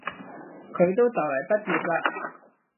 佢都就嚟畢業喇